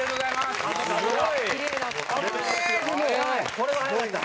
これは速かった。